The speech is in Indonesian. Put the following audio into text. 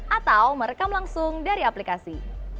atau merekam langsung dari aplikasi